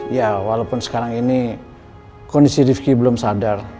ya walaupun sekarang ini kondisi rifki belum sadar